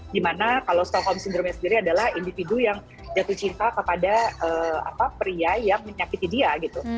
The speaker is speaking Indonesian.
dimana kalau stockholm syndrome sendiri adalah individu yang jatuh cinta kepada pria yang menyakiti dia gitu